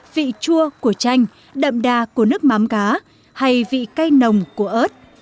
vị chua của chanh đậm đà của nước mắm cá hay vị cây nồng của ớt